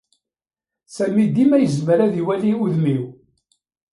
Sami dima yezmer ad iwali udem-iw.